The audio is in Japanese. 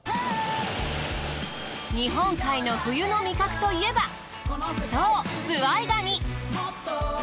日本海の冬の味覚といえばそうズワイガニ。